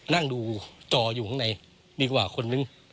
นั่งดูจออยู่ข้างในดีกว่าคนนึง